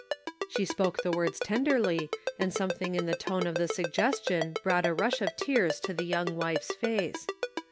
She spoke the words tenderly, and something in the tone of the suggestion brought a rush of tears to the young wife's face.